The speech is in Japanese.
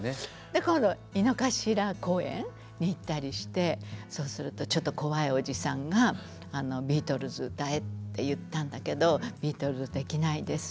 で今度は井の頭公園に行ったりしてそうするとちょっと怖いおじさんがビートルズ歌えって言ったんだけど「ビートルズできないです。